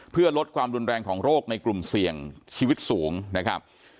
เพื่อลดความรุนแรงของโรคในกลุ่มเสี่ยงชีวิตสูงนะครับ